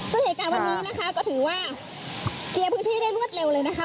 ซึ่งเหตุการณ์วันนี้นะคะก็ถือว่าเคลียร์พื้นที่ได้รวดเร็วเลยนะคะ